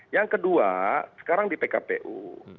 yang kedua sekarang di pkpu